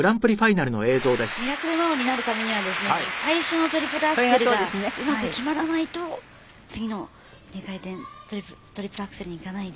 「ミラクルマオになるためにはですね最初のトリプルアクセルがうまく決まらないと次の２回転トリプルアクセルにいかないですから」